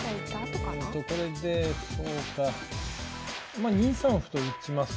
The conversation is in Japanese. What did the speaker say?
まあ２三歩と打ちます。